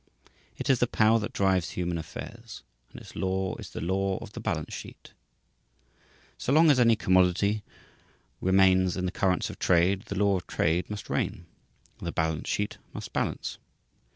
It is the power that drives human affairs; and its law is the law of the balance sheet. So long as any commodity remains in the currents of trade the law of trade must reign, the balance sheet must balance.